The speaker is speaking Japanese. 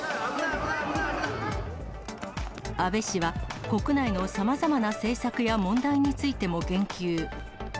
安倍氏は国内のさまざまな政策や問題についても言及。